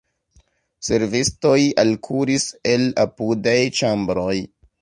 Servistoj alkuris el apudaj ĉambroj.